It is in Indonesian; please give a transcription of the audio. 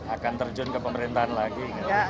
akan terjun ke pemerintahan lagi